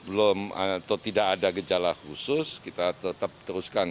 belum atau tidak ada gejala khusus kita tetap teruskan